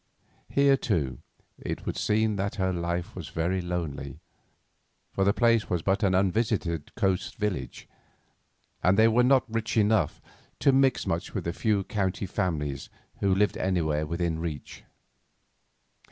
Here, too, it would seem that her life was very lonely, for the place was but an unvisited coast village, and they were not rich enough to mix much with the few county families who lived anywhere within reach.